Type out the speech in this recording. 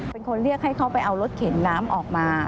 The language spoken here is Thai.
เป็นคนเรียกให้เขาไปเอารถเข็นน้ำออกมา